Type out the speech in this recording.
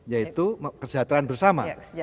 yaitu kesejahteraan bersama